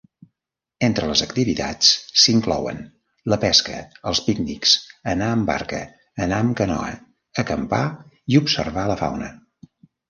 Entre les activitats s'inclouen la pesca, els pícnics, anar amb barca, anar amb canoa, acampar i observar la fauna.